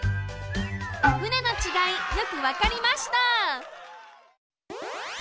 「ふね」のちがいよくわかりました！